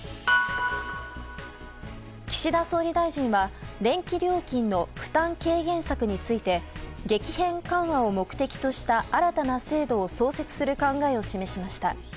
岸田総理大臣は電気料金の負担軽減策について激変緩和を目的とした新たな制度を創設する考えを示しました。